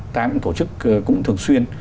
ta cũng tổ chức cũng thường xuyên